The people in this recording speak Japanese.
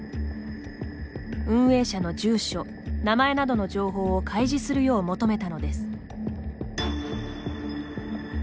運営者の住所、名前などの情報を開示するよう求めたのです。